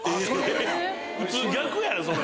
⁉普通逆やろそれ。